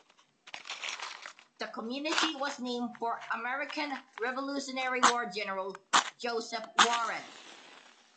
The community was named for American Revolutionary War general Joseph Warren.